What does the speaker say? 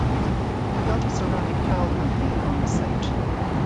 He built a ceramic tile company on the site.